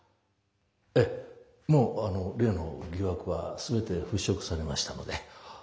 ええもう例の疑惑は全て払拭されましたので。